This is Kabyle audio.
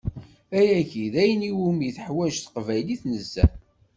Ayagi d ayen iwumi teḥwaǧ teqbaylit nezzeh.